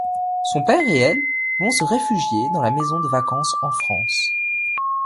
Son père et elle vont se réfugier dans la maison de vacances en France.